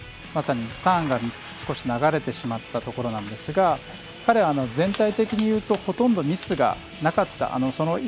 ターンが少し流れてしまったところなんですが彼は全体的にいうとほとんどミスがなかった。